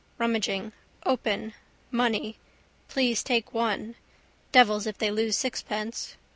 Rummaging. Open. Money. Please take one. Devils if they lose sixpence.